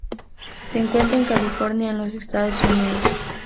Se encuentra en California en los Estados Unidos.